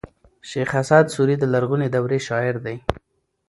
شېخ اسعد سوري د لرغوني دورې شاعر دﺉ.